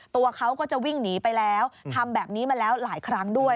ตัวเขาก็จะวิ่งหนีไปแล้วทำแบบนี้มาแล้วหลายครั้งด้วย